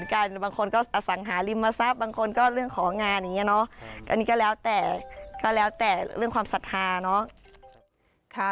ของงานอย่างเงี้ยเนอะอันนี้ก็แล้วแต่ก็แล้วแต่เรื่องความศรัทธาเนอะค่ะ